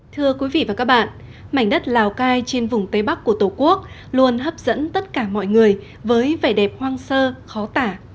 thưa quý vị và các bạn mảnh đất lào cai trên vùng tây bắc của tổ quốc luôn hấp dẫn tất cả mọi người với vẻ đẹp hoang sơ khó tả